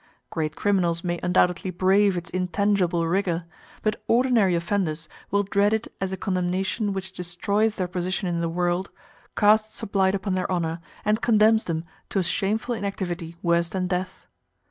Great criminals may undoubtedly brave its intangible rigor, but ordinary offenders will dread it as a condemnation which destroys their position in the world, casts a blight upon their honor, and condemns them to a shameful inactivity worse than death.